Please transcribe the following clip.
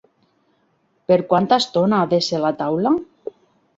Per quanta estona ha de ser la taula?